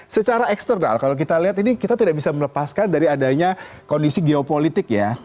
secara eksternal kalau kita lihat ini kita tidak bisa melepaskan dari adanya kondisi geopolitik ya